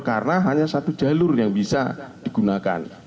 karena hanya satu jalur yang bisa digunakan